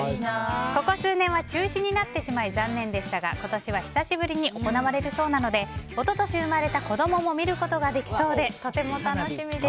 ここ数年は中止になってしまい残念でしたが今年は久しぶりに行われるそうなので一昨年、生まれた子供も見ることができそうでとても楽しみです。